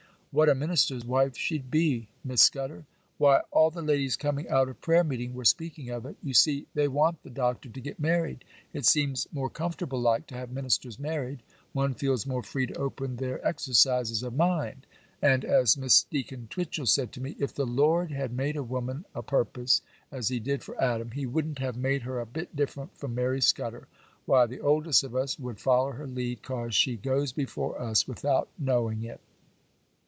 What a minister's wife she'd be, Miss Scudder! Why, all the ladies coming out of prayer meeting were speaking of it. You see, they want the Doctor to get married: it seems more comfortable like to have ministers married; one feels more free to open their exercises of mind; and, as Miss Deacon Twitchel said to me—"If the Lord had made a woman o' purpose, as he did for Adam, he wouldn't have made her a bit different from Mary Scudder." Why, the oldest of us would follow her lead, 'cause she goes before us without knowing it.